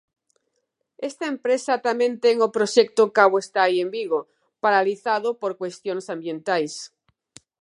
Esta empresa tamén ten o proxecto Cabo Estai en Vigo, paralizado por cuestións ambientais.